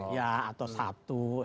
ya atau satu